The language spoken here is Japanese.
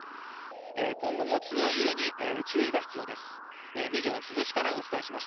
今後も強い揺れに注意が必要です。